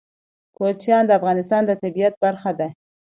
کوچیان د افغانستان د طبیعت برخه ده.